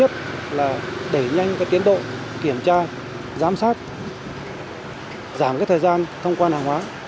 cái thứ hai là để nhanh cái tiến độ kiểm tra giám sát giảm cái thời gian thông quan hàng hóa